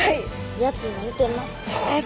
やつに似てます。